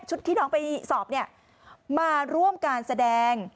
ที่น้องไปสอบเนี่ยมาร่วมการแสดง